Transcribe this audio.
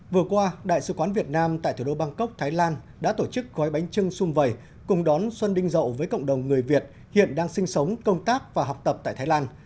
vừa qua đại sứ quán việt nam tại thủ đô bangkok thái lan đã tổ chức gói bánh trưng xung vầy cùng đón xuân đinh rậu với cộng đồng người việt hiện đang sinh sống công tác và học tập tại thái lan